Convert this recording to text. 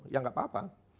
ya tidak apa apa